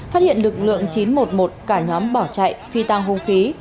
phát hiện lực lượng chín trăm một mươi một cả nhóm bỏ chạy phi tăng hung khí